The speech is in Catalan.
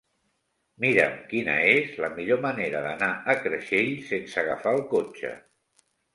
Mira'm quina és la millor manera d'anar a Creixell sense agafar el cotxe.